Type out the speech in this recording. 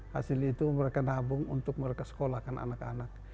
hasil itu mereka nabung untuk mereka sekolahkan anak anak